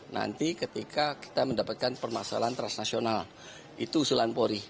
nanti ketika kita mendapatkan permasalahan transnasional itu usulan polri